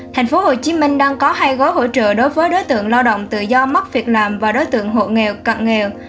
tp hồ chí minh đang có hai gói hỗ trợ đối với đối tượng lao động tự do mất việc làm và đối tượng hộ nghèo cận nghèo